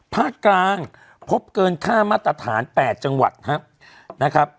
ภาคกลางพบเกินค่ามาตรฐาน๘จังหวัดนะครับ